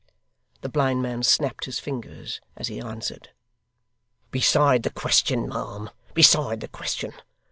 The blind man snapped his fingers as he answered: ' Beside the question, ma'am, beside the question.